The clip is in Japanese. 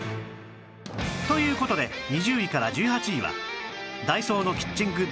という事で２０位から１８位はダイソーのキッチングッズ